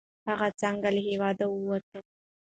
هغه څنګه له هیواده ووت؟